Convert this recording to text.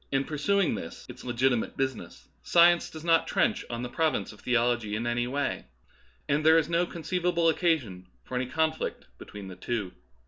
pursuing this its legitimate business, science does not trench on the province of theology in any way, and there is no conceivable occasion for any conflict between the two.